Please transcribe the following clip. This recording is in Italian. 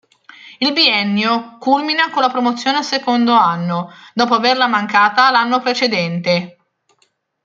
Il biennio culmina con la promozione al secondo anno, dopo averla mancata l'anno precedente.